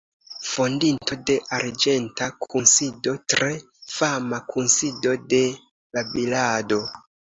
Fondinto de „Arĝenta Kunsido";, tre fama kunsido de babilado.